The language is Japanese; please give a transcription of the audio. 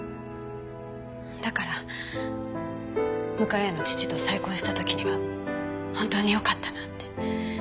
だから向谷の父と再婚した時には本当によかったなって。